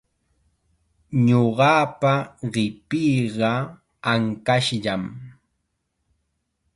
Ñuqapa qipiiqa ankashllam.